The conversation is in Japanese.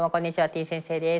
てぃ先生です。